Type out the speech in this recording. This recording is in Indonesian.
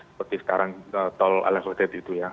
seperti sekarang tol ala kode itu ya